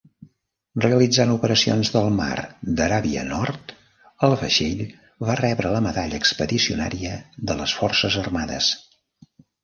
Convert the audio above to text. Realitzant operacions del mar d'Aràbia Nord, el vaixell va rebre la medalla expedicionària de les Forces Armades.